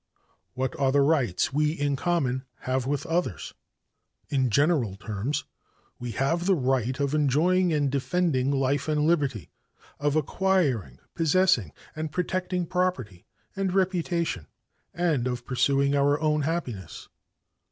What are the rights we in common have with others? In general terms we have the 'right' of enjoying and defending life and liberty, of acquiring, possessing and protecting property and reputation and of pursuing our own happiness.